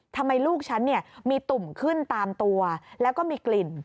ทำไมลูกฉันเนี่ยมีตุ่มขึ้นตามตัวแล้วก็มีกลิ่น